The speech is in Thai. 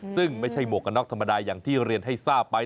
ซึ่งไม่ใช่หมวกกันน็อกธรรมดาอย่างที่เรียนให้ทราบไป